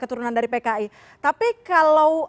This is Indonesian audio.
keturunan dari pki tapi kalau